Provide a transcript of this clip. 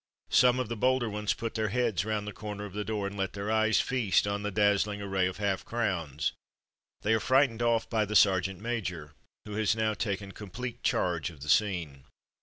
Some of the bolder ones put their heads round the corner of the door and let their eyes feast on the dazzling array of half crowns. They are frightened off by the sergeant major, who has now taken com plete charge of the scene.